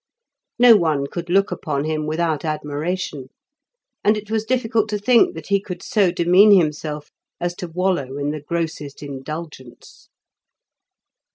No one could look upon him without admiration, and it was difficult to think that he could so demean himself as to wallow in the grossest indulgence.